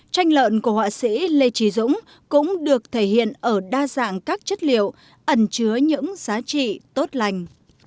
tranh lợn của họa sĩ lê trí dũng cũng được thể hiện ở đa dạng các chất liệu ẩn chứa những giá trị tốt lành